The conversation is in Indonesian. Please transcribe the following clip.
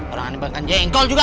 orang aneh bahkan jengkol juga